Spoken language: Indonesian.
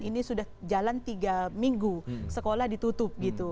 ini sudah jalan tiga minggu sekolah ditutup gitu